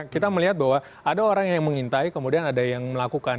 kita melihat bahwa ada orang yang mengintai kemudian ada yang melakukan